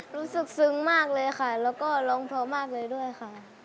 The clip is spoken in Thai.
รู้สึกซึ้งมากเลยค่ะแล้วก็ร้องเพราะมากเลยด้วยค่ะ